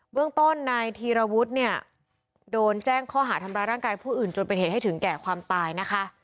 เรื่องต้นนายธีรวุฒิเนี่ยโดนแจ้งข้อหาทำร้ายร่างกายผู้อื่นจนเป็นเหตุให้ถึงแก่ความตายนะคะ